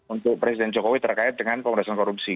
untuk presiden jokowi terkait dengan pemerintahan korupsi